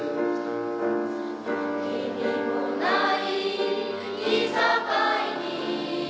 意味もないいさかいに